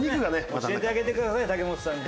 教えてあげてください武元さんに。